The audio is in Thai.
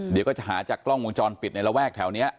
เดี๋ยวก็จะหาจากกล้องวงจรปิดในระแวกแถวนี้